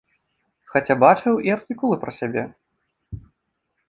Хаця бачыў і артыкулы пра сябе.